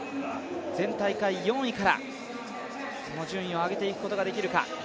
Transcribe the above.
前大会４位から順位を上げていくことができるか。